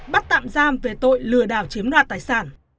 bắt tạm giam về tội lừa đảo chiếm đoạt tài sản